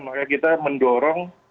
makanya kita mendorong